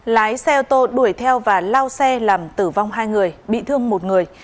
lái xe ô tô đuổi theo và lao xe làm tử vong hai người bị thương một người